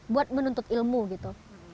buat menuntut ilmu gitu